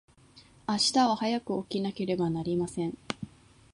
明日は早く起きなければなりません。